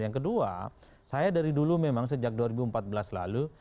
yang kedua saya dari dulu memang sejak dua ribu empat belas lalu